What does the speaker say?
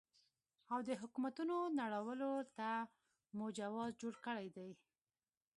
او د حکومتونو نړولو ته مو جواز جوړ کړی دی.